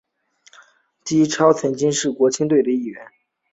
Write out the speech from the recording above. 纪超曾经是国青队的一员。